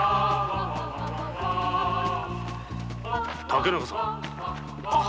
竹中さん！